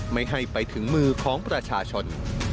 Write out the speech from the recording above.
ไม่ให้ไปถึงมือของประชาชน